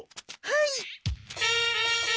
はい！